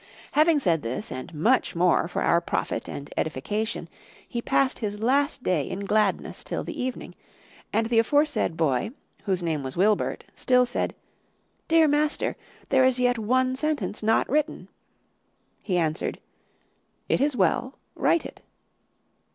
Having said this and much more for our profit and edification, he passed his last day in gladness till the evening; and the aforesaid boy, whose name was Wilbert, still said, 'Dear master, there is yet one sentence not written.' He answered, 'It is well, write it.